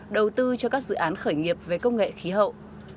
đầu tư cho các dự án khởi nghiệp về công nghệ khí hậu